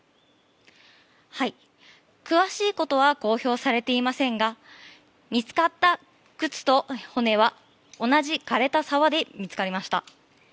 詳しいことは公表されていませんが見つかった靴と骨は同じ枯れた沢で見つかりました。